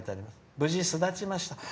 「無事、巣立ちました」。